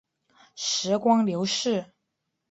时光流逝